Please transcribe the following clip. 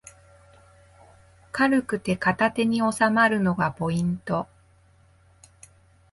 軽くて片手におさまるのがポイント